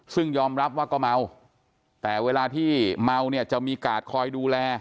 ซึ่งยอมรับว่าก็เมาแต่เวลาที่เมาเนี่ยจะมีกาดคอยดูแล